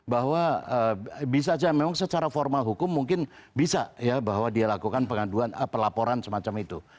bahwa bisa saja memang secara formal hukum mungkin bisa ya bahwa dia lakukan pengaduan pelaporan semacam itu